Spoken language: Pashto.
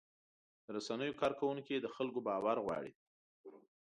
د رسنیو کارکوونکي د خلکو باور غواړي.